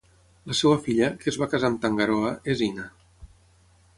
La seva filla, que es va casar amb Tangaroa, és Ina.